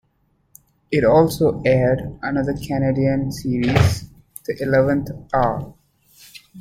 It also aired another Canadian series, "The Eleventh Hour".